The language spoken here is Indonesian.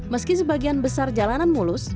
meski sebagian besar jalanan mulus